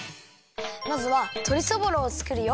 まずはとりそぼろをつくるよ。